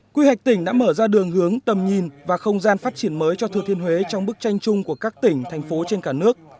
quy hoạch tỉnh đã mở ra đường hướng tầm nhìn và không gian phát triển mới cho thừa thiên huế trong bức tranh chung của các tỉnh thành phố trên cả nước